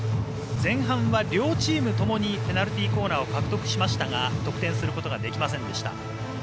前半は両チームともにペナルティーコーナーを獲得しましたが得点することができませんでした。